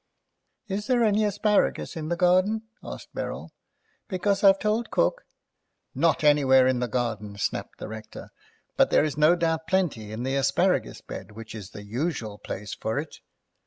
"Is there any asparagus in the garden?" asked Beryl; "because I've told cook—" "Not anywhere in the garden," snapped the Rector, "but there's no doubt plenty in the asparagus bed, which is the usual place for it."